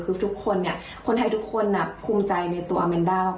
คือคนไทยทุกคนภูมิใจในตัวอาแมนดามาก